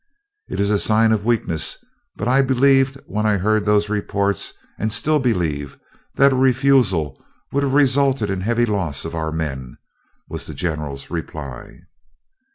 "It is a sign of weakness, but I believed when I heard those reports, and still believe, that a refusal would have resulted in a heavy loss of our men," was the General's reply.